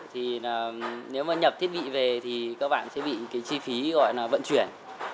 thì nếu mà nhập thiết bị về thì các bạn sẽ bị cái chi phí gọi là vận chuyển